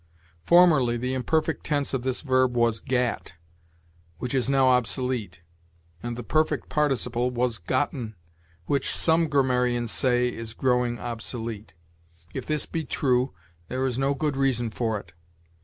Formerly the imperfect tense of this verb was gat, which is now obsolete, and the perfect participle was gotten, which, some grammarians say, is growing obsolete. If this be true, there is no good reason for it.